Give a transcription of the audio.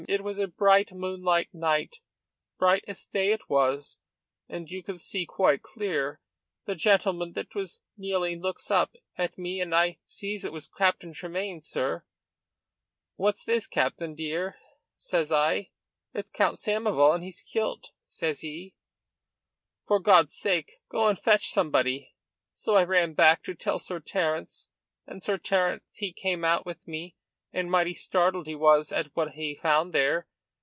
It was a bright, moonlight night bright as day it was, and you could see quite clear. The gentleman that was kneeling looks up, at me, and I sees it was Captain Tremayne, sir. 'What's this, Captain dear?' says I. 'It's Count Samoval, and he's kilt,' says he, 'for God's sake, go and fetch somebody.' So I ran back to tell Sir Terence, and Sir Terence he came out with me, and mighty startled he was at what he found there.